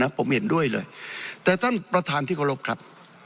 ผมเห็นด้วยเลยแต่ท่านประธานที่เคารพครับ